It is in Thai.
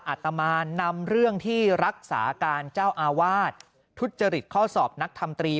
อาตมานนำเรื่องที่รักษาการเจ้าอาวาสทุจริตข้อสอบนักทำตรี